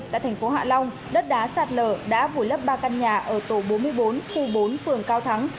tại thành phố hạ long đất đá sạt lở đã vùi lấp ba căn nhà ở tổ bốn mươi bốn khu bốn phường cao thắng